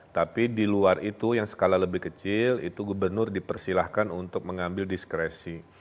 tapi di luar itu yang skala lebih kecil itu gubernur dipersilahkan untuk mengambil diskresi